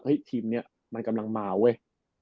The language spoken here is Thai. เฮ้ยทีมเนี่ยมันกำลังมาเว้ย